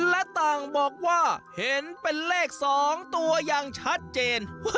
และต่างบอกว่าเห็นเป็นเลข๒ตัวอย่างชัดเจน